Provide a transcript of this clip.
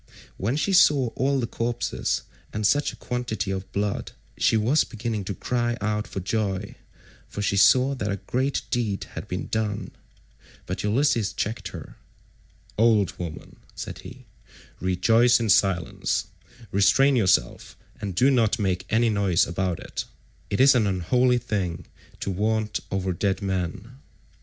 When she saw all the corpses and such a quantity of blood, she was beginning to cry out for joy, for she saw that a great deed had been done; but Ulysses checked her, "Old woman," said he, "rejoice in silence; restrain yourself, and do not make any noise about it; it is an unholy thing to vaunt over dead men.